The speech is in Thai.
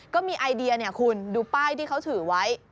ก็มีไอเดียเนี่ยคุณดูป้ายที่เขาถือไว้